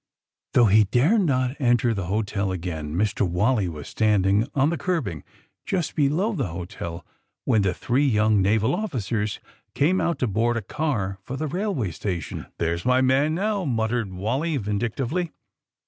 Though he dared not enter the hotel again Mr. Wally was standing on the curbing just below the hotel when the three young naval officers came out to board a car for the railway station. There's my man, now !" muttered Wally vin dictively.